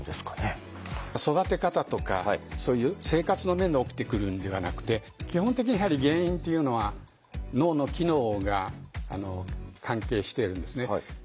育て方とかそういう生活の面で起きてくるんではなくて基本的にやはり原因っていうのは脳の機能が関係してるんですね。